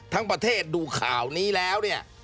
ทั้งประเทศดูข่าวนี้แล้วเนี่ย